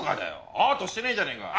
アートしてねえじゃねえか！